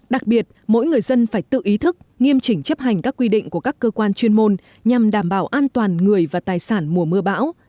đặc biệt mỗi người dân phải tự ý thức nghiêm chỉnh chấp hành các quy định của các cơ quan chuyên môn nhằm đảm bảo an toàn người và tài sản mùa mưa bão